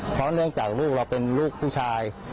เพราะเนื่องจากลูกเราเป็นลูกผู้ชาย